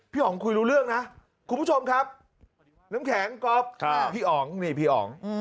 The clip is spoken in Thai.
อ๋องคุยรู้เรื่องนะคุณผู้ชมครับน้ำแข็งก๊อฟพี่อ๋องนี่พี่อ๋อง